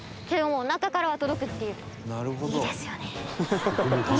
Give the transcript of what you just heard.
けども中からは届くっていう。